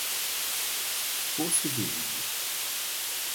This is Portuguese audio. Poço Verde